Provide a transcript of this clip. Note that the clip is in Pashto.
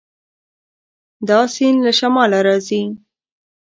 دا سیند له شماله راځي.